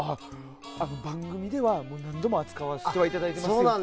番組では何度も扱わせていただいてますよ。